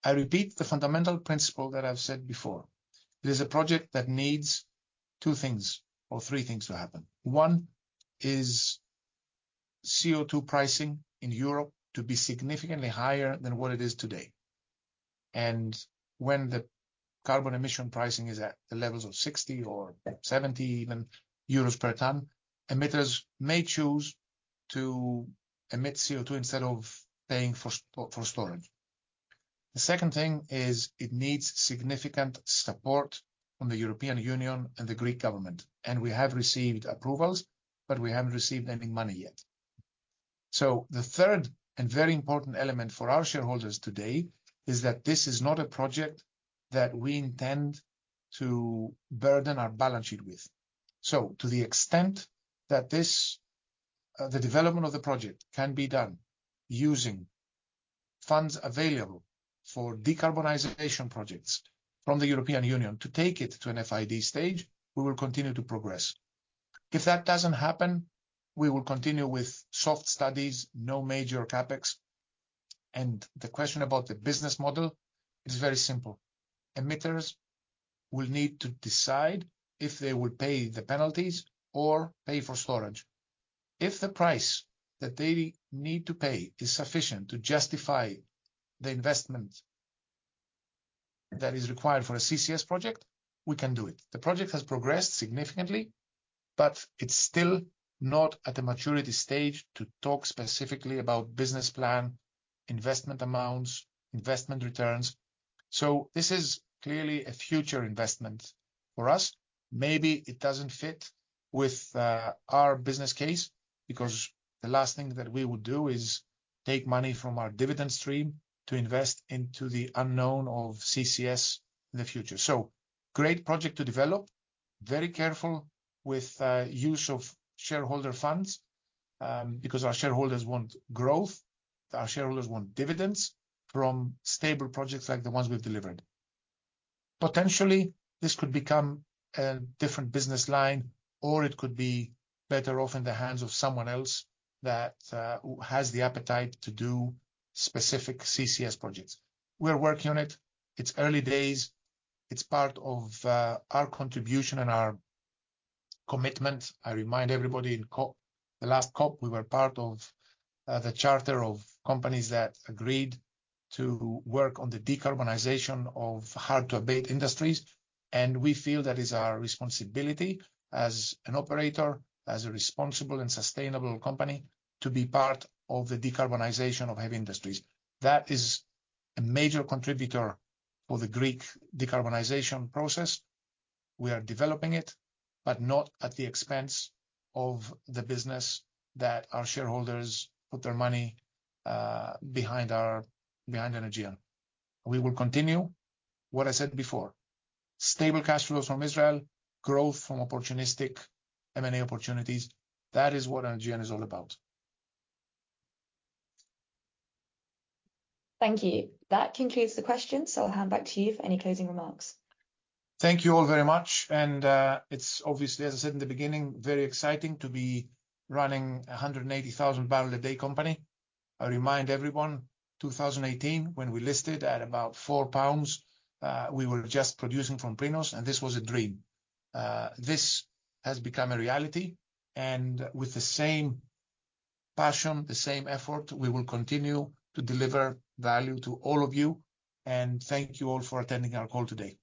[SPEAKER 2] I repeat the fundamental principle that I've said before. It is a project that needs two things or three things to happen. One is CO2 pricing in Europe to be significantly higher than what it is today. When the carbon emission pricing is at the levels of 60 or even EUR 70 per ton, emitters may choose to emit CO2 instead of paying for storage. The second thing is it needs significant support from the European Union and the Greek government, and we have received approvals, but we haven't received any money yet. The third, and very important element for our shareholders today, is that this is not a project that we intend to burden our balance sheet with. To the extent that this, the development of the project can be done using funds available for decarbonization projects from the European Union to take it to an FID stage, we will continue to progress. If that doesn't happen, we will continue with soft studies, no major CapEx. The question about the business model is very simple. Emitters will need to decide if they will pay the penalties or pay for storage. If the price that they need to pay is sufficient to justify the investment that is required for a CCS project, we can do it. The project has progressed significantly, but it's still not at a maturity stage to talk specifically about business plan, investment amounts, investment returns. So this is clearly a future investment for us. Maybe it doesn't fit with our business case, because the last thing that we would do is take money from our dividend stream to invest into the unknown of CCS in the future. So great project to develop, very careful with use of shareholder funds, because our shareholders want growth, our shareholders want dividends from stable projects like the ones we've delivered. Potentially, this could become a different business line, or it could be better off in the hands of someone else that has the appetite to do specific CCS projects. We're working on it. It's early days. It's part of our contribution and our commitment. I remind everybody, in COP, the last COP, we were part of the charter of companies that agreed to work on the decarbonization of hard-to-abate industries. And we feel that it's our responsibility as an operator, as a responsible and sustainable company, to be part of the decarbonization of heavy industries. That is a major contributor for the Greek decarbonization process. We are developing it, but not at the expense of the business that our shareholders put their money behind Energean. We will continue what I said before, stable cash flows from Israel, growth from opportunistic M&A opportunities. That is what Energean is all about.
[SPEAKER 1] Thank you. That concludes the questions, so I'll hand back to you for any closing remarks.
[SPEAKER 2] Thank you all very much, and, it's obviously, as I said in the beginning, very exciting to be running a hundred and eighty thousand barrel a day company. I remind everyone, 2018, when we listed at about 4 pounds, we were just producing from Prinos, and this was a dream. This has become a reality, and with the same passion, the same effort, we will continue to deliver value to all of you, and thank you all for attending our call today.